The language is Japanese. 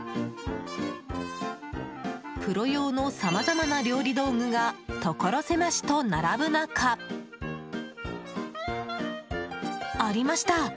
プロ用のさまざまな料理道具が所狭しと並ぶ中ありました。